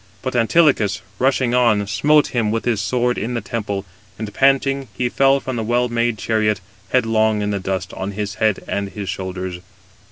But Antilochus, rushing on, smote him with his sword in the temple, and panting he fell from the well made chariot, headlong in the dust, on his head and his shoulders.